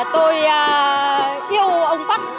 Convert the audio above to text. tôi yêu ông bắc